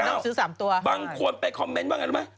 ไม่เขาบอกว่า๒๒๙บางคนไปคอมเมนต์บ้างไงรู้ไหม